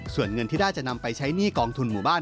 ส่วนเงินที่ได้จะนำไปใช้หนี้กองทุนหมู่บ้าน